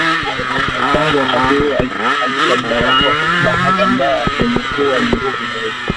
Tangu wakati huo alShabab kwa bahati mbaya imekuwa na nguvu zaidi